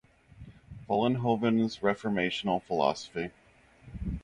Vollenhoven's Reformational philosophy.